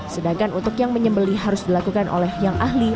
sedangkan untuk yang menyembeli harus dilakukan oleh yang ahli